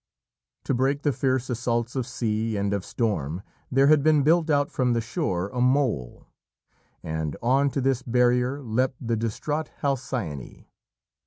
To break the fierce assaults of sea and of storm there had been built out from the shore a mole, and on to this barrier leapt the distraught Halcyone.